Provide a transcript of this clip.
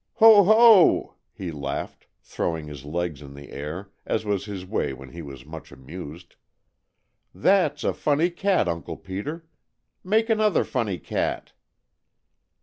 "Ho! ho!" he laughed, throwing his legs in the air, as was his way when he was much amused. "That's a funny cat, Uncle Peter. Make another funny cat."